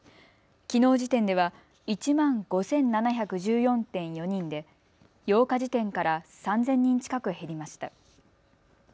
きのう時点では１万５７１４．４人で８日時点から３０００人近く減りました。